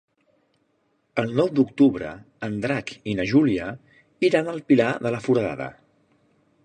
El nou d'octubre en Drac i na Júlia iran al Pilar de la Foradada.